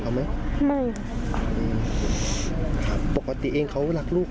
เขาก็รัก